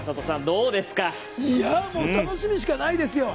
楽しみしかないですよ！